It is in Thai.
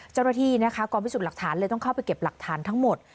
เจ้าหน้าที่นะคะกองพิสูจน์หลักฐานเลยต้องเข้าไปเก็บหลักฐานทั้งหมด